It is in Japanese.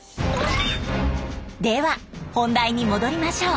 では本題に戻りましょう。